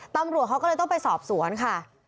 ตำรวจเขาก็เลยต้องไปสอบสวนค่ะ